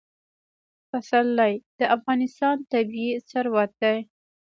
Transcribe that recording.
پسرلی د افغانستان طبعي ثروت دی.